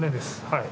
はい。